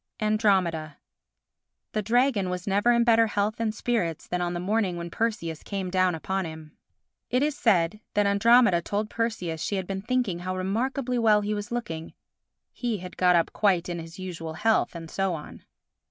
Andromeda The dragon was never in better health and spirits than on the morning when Perseus came down upon him. It is said that Andromeda told Perseus she had been thinking how remarkably well he was looking. He had got up quite in his usual health—and so on.